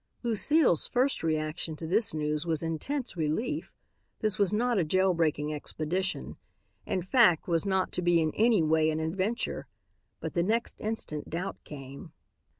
Lucile's first reaction to this news was intense relief. This was not a jail breaking expedition; in fact, was not to be in any way an adventure. But the next instant doubt came.